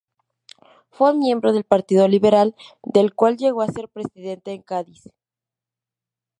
Fue miembro del partido liberal, del cual llegó a ser presidente en Cádiz.